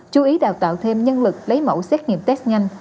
chú ý đào tạo thêm nhân lực lấy mẫu xét nghiệm test nhanh